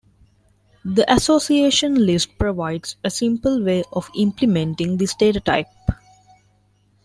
The association list provides a simple way of implementing this data type.